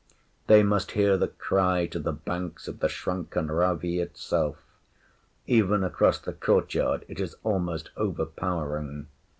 They must hear the cry to the banks of the shrunken Ravee itself! Even across the courtyard it is almost overpowering.